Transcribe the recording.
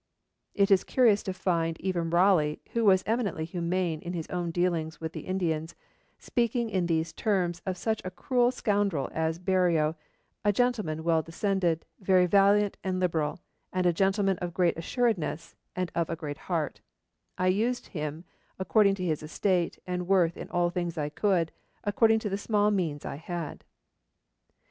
It is curious to find even Raleigh, who was eminently humane in his own dealings with the Indians, speaking in these terms of such a cruel scoundrel as Berreo, 'a gentleman well descended, very valiant and liberal, and a gentleman of great assuredness, and of a great heart: I used him according to his estate and worth in all things I could, according to the small means I had.'